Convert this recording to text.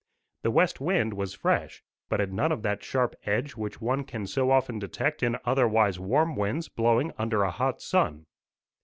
The west wind was fresh, but had none of that sharp edge which one can so often detect in otherwise warm winds blowing under a hot sun.